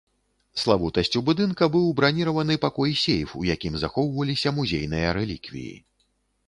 Славутасцю будынка быў браніраваны пакой-сейф, у якім захоўваліся музейныя рэліквіі.